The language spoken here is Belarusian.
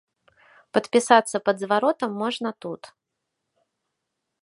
Падпісацца пад зваротам можна тут.